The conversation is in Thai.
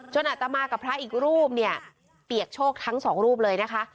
อัตมากับพระอีกรูปเนี่ยเปียกโชคทั้งสองรูปเลยนะคะ